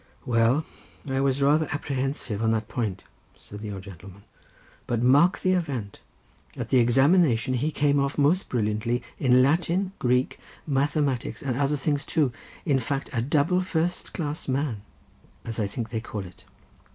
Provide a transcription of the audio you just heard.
"Well, I was rather apprehensive on that point," said the old gentleman, "but mark the event. At the examination he came off most brilliantly in Latin, Greek, mathematics, and other things too; in fact, a double first class man, as I think they call it."